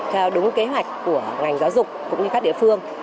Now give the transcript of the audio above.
theo đúng kế hoạch của ngành giáo dục cũng như các địa phương